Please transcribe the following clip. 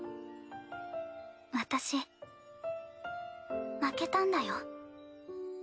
私負けたんだよ？